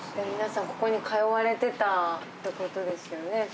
皆さんここに通われてたってことですよね